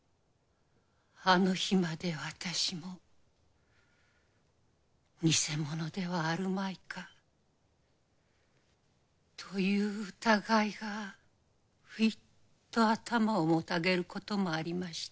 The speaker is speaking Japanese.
あの日まで私も偽者ではあるまいかという疑いがふいと頭をもたげることもありました。